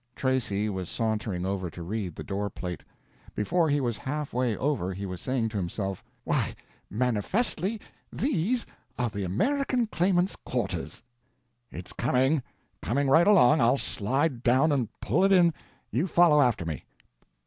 Tracy was sauntering over to read the door plate. Before he was half way over he was saying to himself, "Why, manifestly these are the American Claimant's quarters." "It's coming—coming right along. I'll slide, down and pull It in. You follow after me."